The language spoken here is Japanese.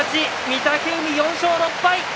御嶽海、４勝６敗。